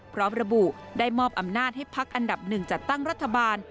พร้อมระบุได้มอบอำนาจให้พักอันดับหนึ่งจัดตั้งรัฐบาล